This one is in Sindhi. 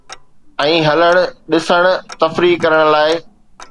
۽ هلڻ، ڏسڻ، تفريح ڪرڻ لاءِ